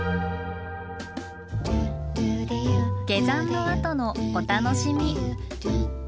下山のあとのお楽しみ。